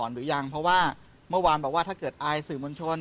หรือยังเพราะว่าเมื่อวานบอกว่าถ้าเกิดอายสื่อมวลชน